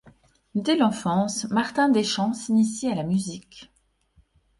Dès l'enfance, Martin Deschamps s'initie à la musique.